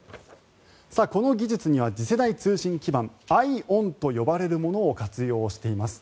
この技術には次世代通信基盤ＩＯＷＮと呼ばれるものを活用しています。